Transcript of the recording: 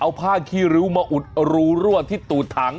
เอาผ้าขี้ริ้วมาอุดรูรั่วที่ตูดถัง